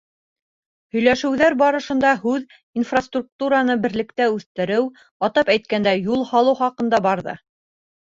Һөйләшеүҙәр барышында һүҙ инфраструктураны берлектә үҫтереү, атап әйткәндә, юл һалыу хаҡында барҙы.